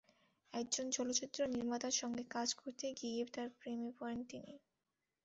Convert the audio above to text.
একজন চলচ্চিত্র নির্মাতার সঙ্গে কাজ করতে গিয়ে তাঁর প্রেমে পড়েন তিনি।